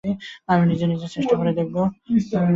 আমি নিজে চেষ্টা দেখব।